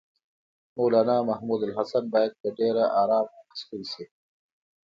مولنا محمودالحسن باید په ډېره آرامه راستون شي.